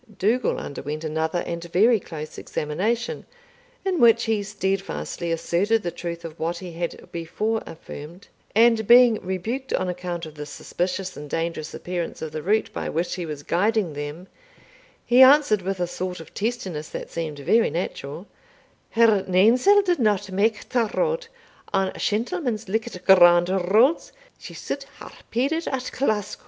Dougal underwent another and very close examination, in which he steadfastly asserted the truth of what he had before affirmed; and being rebuked on account of the suspicious and dangerous appearance of the route by which he was guiding them, he answered with a sort of testiness that seemed very natural, "Her nainsell didna mak ta road; an shentlemans likit grand roads, she suld hae pided at Glasco."